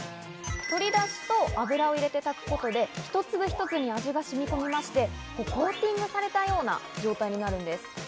鶏だしと油を入れて炊くことで一粒一粒に味が染み込みまして、コーティングされたような状態になるんです。